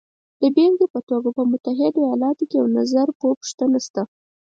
د بېلګې په توګه په متحده ایالاتو کې یو نظرپوښتنه شته